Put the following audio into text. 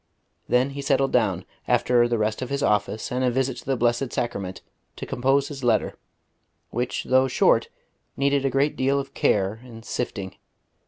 Then he settled down, after the rest of his office and a visit to the Blessed Sacrament, to compose his letter, which though short, needed a great deal of care and sifting.